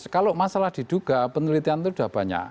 kalau masalah diduga penelitian itu sudah banyak